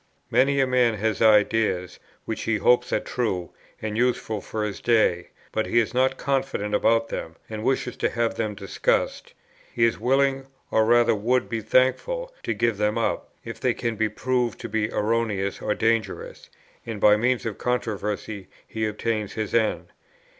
Many a man has ideas, which he hopes are true, and useful for his day, but he is not confident about them, and wishes to have them discussed, He is willing, or rather would be thankful, to give them up, if they can be proved to be erroneous or dangerous, and by means of controversy he obtains his end.